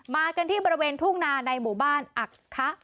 กันที่บริเวณทุ่งนาในหมู่บ้านอักคะ